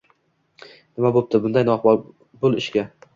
Nima bo‘pti, bunday noma’qul ishga?